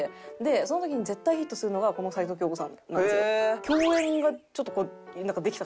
その時に絶対ヒットするのがこの齊藤京子さんなんですよ。ホンマやな。